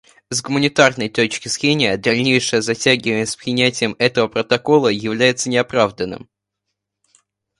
С гуманитарной точки зрения, дальнейшее затягивание с принятием этого протокола является неоправданным.